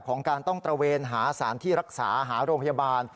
ของการต้องตระเวนหาสารที่รักษาหาโรงพยาบาล